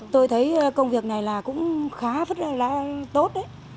tôi thấy công việc này là cũng khá tốt